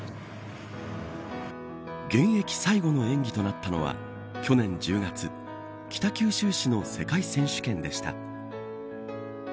現役最後の演技となったのは去年１０月北九州市の世界選手権でした。